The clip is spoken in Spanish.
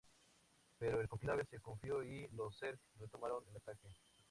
Pero el Cónclave se confió y los Zerg retomaron el ataque.